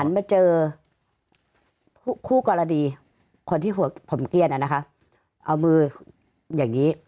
มาเจอคู่กรณีคนที่หัวผมเกี้ยนนะคะเอามืออย่างนี้